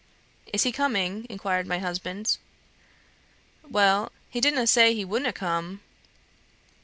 "Is he coming?" inquired my husband. "Well, he didna' say he wouldna' come."